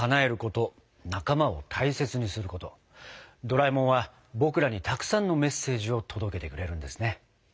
ドラえもんは僕らにたくさんのメッセージを届けてくれるんですね。